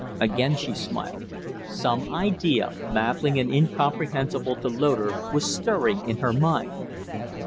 Again she smiled. Some idea, baffling and incomprehensible to Loder, was stirring in her mind.